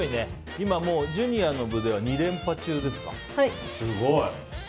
今もう、ジュニアの部では２連覇中ですか、すごい。